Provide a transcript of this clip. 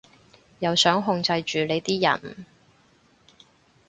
又想控制住你啲人